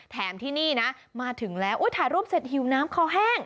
ที่นี่นะมาถึงแล้วถ่ายรูปเสร็จหิวน้ำคอแห้ง